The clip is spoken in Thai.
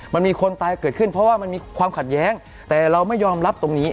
มันมีคนตายเกิดขึ้นเพราะว่ามันมีความขัดแย้งแต่เราไม่ยอมรับตรงนี้